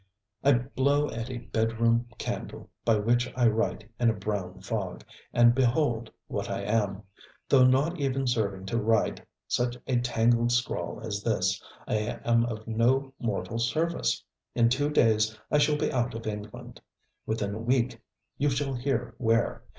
I blow at a bed room candle, by which I write in a brown fog, and behold what I am though not even serving to write such a tangled scrawl as this. I am of no mortal service. In two days I shall be out of England. Within a week you shall hear where.